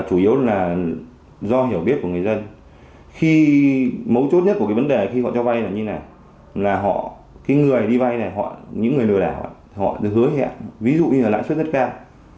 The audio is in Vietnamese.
có hiểu biết của người dân khi mấu chốt nhất của cái vấn đề khi họ cho vay là như thế này là họ cái người đi vay này những người lừa đảo họ hứa hẹn ví dụ như là lãi suất rất cao